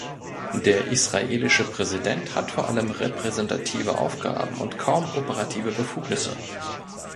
Der israelische Präsident hat vor allem repräsentative Aufgaben und kaum operative Befugnisse.